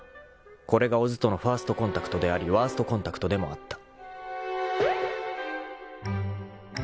［これが小津とのファーストコンタクトでありワーストコンタクトでもあった］